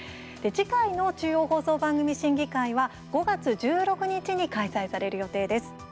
次回の中央放送番組審議会は５月１６日に開催される予定です。